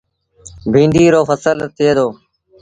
بيٚنڊيٚ رو ڦسل ٿئي دو۔